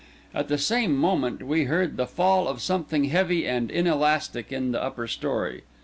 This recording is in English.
At the same moment we heard the fall of something heavy and inelastic in the upper story.